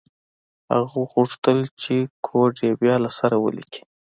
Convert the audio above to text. هغه غوښتل چې کوډ یې بیا له سره ولیکي